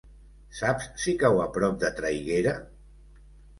Saps si cau a prop de Traiguera?